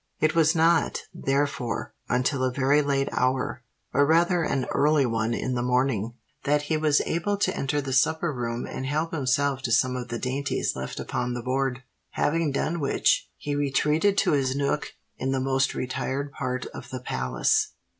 It was not, therefore, until a very late hour,—or rather an early one in the morning,—that he was able to enter the supper room and help himself to some of the dainties left upon the board; having done which, he retreated to his nook in the most retired part of the palace.